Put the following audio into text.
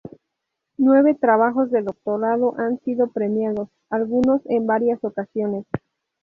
Nueve trabajos de doctorado han sido premiados, algunos en varias ocasiones.